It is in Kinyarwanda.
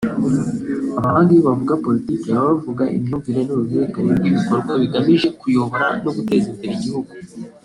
Abahanga iyo bavuga politiki baba bavuga imyumvire n’uruhererekanye rw’ibikorwa bigamije kuyobora no guteza imbere igihugu